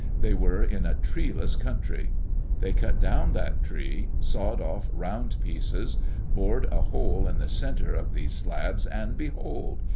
They were in a treeless country. They cut down that tree, sawed off round pieces, bored a hole in the center of these slabs, and behold!